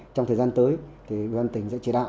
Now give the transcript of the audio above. trong thời gian tới thì đơn tỉnh sẽ chỉ đạo